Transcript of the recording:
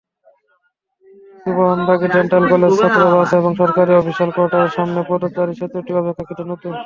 সোবহানবাগে dental college ছাত্রাবাস এবং সরকারি অফিসার্স কোয়ার্টারের সামনের পদচারী-সেতুটি অপেক্ষাকৃত নতুন।